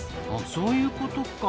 そういうことか。